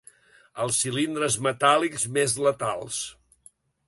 Els cilindres metàl·lics més letals.